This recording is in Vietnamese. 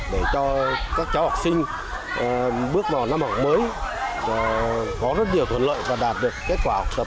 để cho các cháu học sinh bước vào năm học mới có rất nhiều thuận lợi và đạt được kết quả học tập